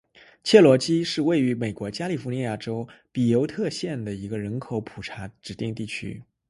切罗基是位于美国加利福尼亚州比尤特县的一个人口普查指定地区。